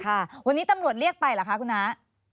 ค่ะวันนี้ตำรวจเรียกไปเหรอคะคุณน้า